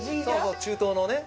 中東のね。